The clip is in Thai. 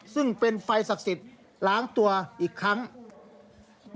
ซึ่งเป็นไฟศักดิ์สิทธิ์ล้างตัวอีกครั้ง